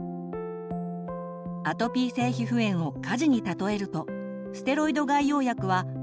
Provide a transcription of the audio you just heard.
アトピー性皮膚炎を火事に例えるとステロイド外用薬は水や消火剤。